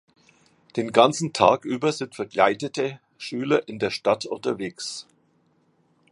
Den ganzen Tag über sind verkleidete Schüler in der Stadt unterwegs.